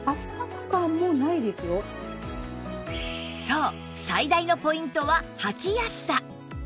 そう最大のポイントは履きやすさ